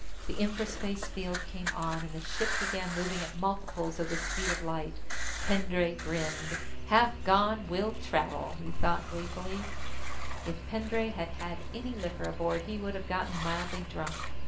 The infraspace field came on, and the ship began moving at multiples of the speed of light. Pendray grinned. Half gone, will travel, he thought gleefully. If Pendray had had any liquor aboard, he would have gotten mildly drunk.